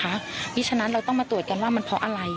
เพราะฉะนั้นเราต้องมาตรวจกันว่ามันเพราะอะไร